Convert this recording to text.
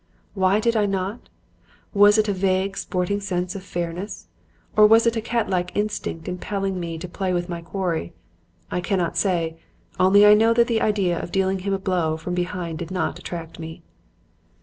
Why did I not? Was it a vague, sporting sense of fairness? Or was it a catlike instinct impelling me to play with my quarry? I cannot say. Only I know that the idea of dealing him a blow from behind did not attract me.